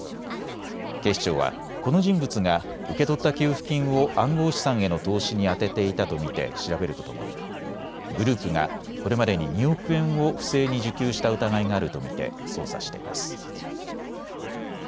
警視庁はこの人物が受け取った給付金を暗号資産への投資に充てていたと見て調べるとともにグループがこれまでに２億円を不正に受給した疑いがあると見て捜査しています。